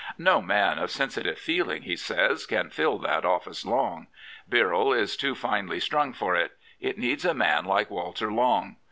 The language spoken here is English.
''No man of sensitive feeling," he says, " can fill that ofl&ce long. Birrell is too finely strung for it. It needs a man like Walter Long.